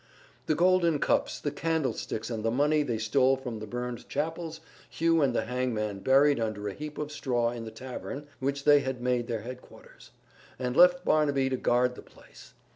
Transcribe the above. The golden cups, the candlesticks and the money they stole from the burned chapels Hugh and the hangman buried under a heap of straw in the tavern which they had made their headquarters, and left Barnaby to guard the place.